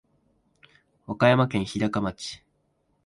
和歌山県日高町